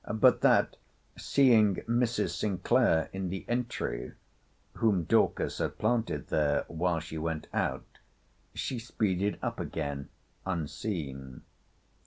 But that, seeing Mrs. Sinclair in the entry, (whom Dorcas had planted there while she went out,) she speeded up again unseen.